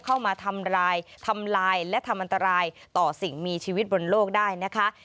เข้ามาทำร้ายทำลายและทำอันตรายต่อสิ่งมีชีวิตบนโลกได้นะคะ